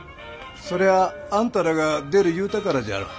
そりゃああんたらが出る言うたからじゃろ。